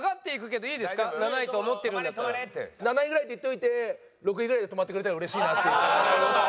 「７位ぐらい」って言っておいて６位ぐらいで止まってくれたら嬉しいなっていう。